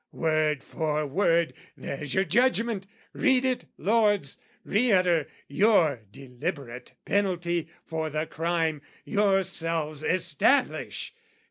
Word for word, there's your judgment! Read it, lords, Re utter your deliberate penalty For the crime yourselves establish!